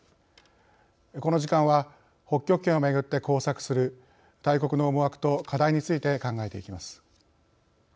この時間は北極圏をめぐって交錯する大国の思惑と課題について考えていきます。